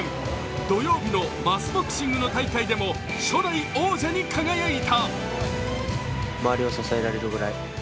土曜日のマスボクシングの大会でも初代王者に輝いた。